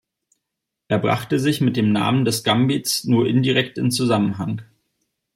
Er brachte sich mit dem Namen des Gambits nur indirekt in Zusammenhang.